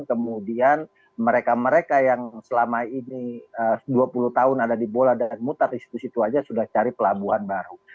kemudian mereka mereka yang selama ini dua puluh tahun ada di bola dan mutar di situ situ aja sudah cari pelabuhan baru